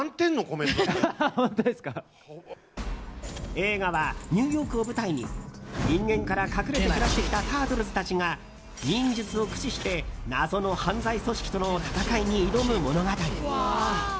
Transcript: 映画は、ニューヨークを舞台に人間から隠れて暮らしてきたタートルズたちが忍術を駆使して謎の犯罪組織との戦いに挑む物語。